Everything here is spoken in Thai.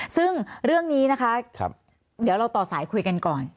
ซึ่งเรื่องนี้นะคะเดี๋ยวเราต่อสายคุยกันก่อน